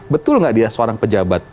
betul nggak dia seorang pejabat